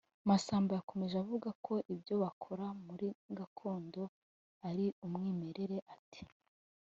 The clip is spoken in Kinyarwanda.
Masamba yakomeje avuga ko ibyo bakora muri gakondo ari umwimerere ati